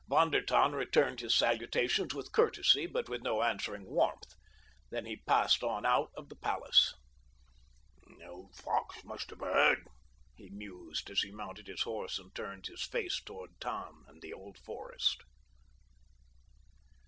Von der Tann returned his salutations with courtesy but with no answering warmth. Then he passed on out of the palace. "The old fox must have heard," he mused as he mounted his horse and turned his face toward Tann and the Old Forest.